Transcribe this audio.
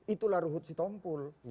itulah ruhut si tompul